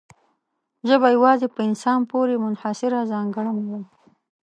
ژبه یوازې په انسان پورې منحصره ځانګړنه ده.